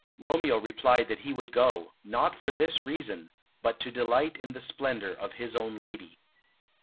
Romeo replied that he would go, not for this reason, but to delight in the splendour of his own lady.